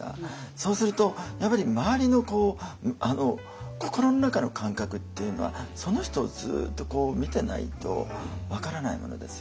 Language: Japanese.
そうするとやっぱり周りの心の中の感覚っていうのはその人をずっとこう見てないと分からないものですよね。